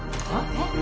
えっ？